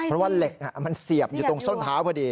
เพราะว่าเหล็กมันเสียบอยู่ตรงส้นเท้าพอดี